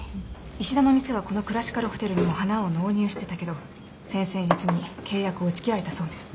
石田の店はこのクラシカルホテルにも花を納入してたけど先々月に契約を打ち切られたそうです。